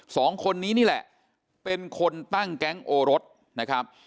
สองคนนี้นี่แหละเป็นคนตั้งแก๊งโอรสนะครับ